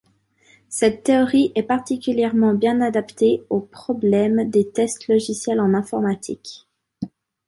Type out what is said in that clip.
Cette théorie est particulièrement bien adaptée au problème des tests logiciels en informatique.